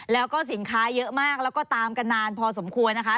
แล้วก็สินค้าเยอะมากแล้วก็ตามกันนานพอสมควรนะคะ